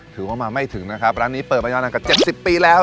ถือว่ามาไม่ถึงนะครับร้านนี้เปิดประยะนังกับเจ็บสิบปีแล้ว